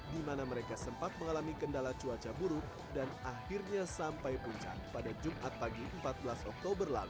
di mana mereka sempat mengalami kendala cuaca buruk dan akhirnya sampai puncak pada jumat pagi empat belas oktober lalu